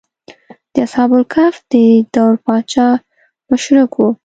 د اصحاب کهف د دور پاچا مشرک و.